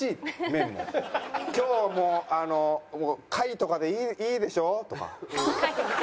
今日はもう貝とかでいいでしょ？とか。